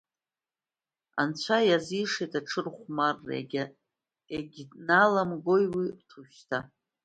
Анцәа иазишеит аҽырхәмарра, иагьналамгои урҭ уажәшьҭа.